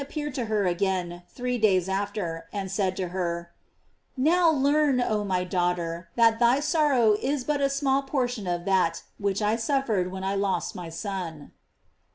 557 peared to her again three days after, and said to her: "Now learn, oh my daughter, that thy sor^' row is but a small part of that which I suffered when I lost my Son."